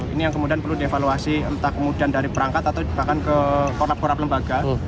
ini yang kemudian perlu dievaluasi entah kemudian dari perangkat atau bahkan ke korlap korp lembaga